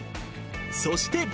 そして。